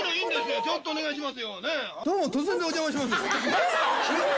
ちょっとお願いしますよ。